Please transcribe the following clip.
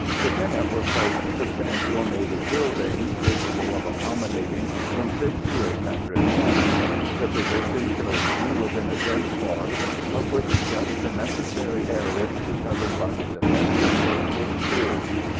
Within it were placed substantial native buildings capable of accommodating from six to eight hundred men. The position chosen was in a dense forest of which just the necessary area to be covered by the defensive work was cleared.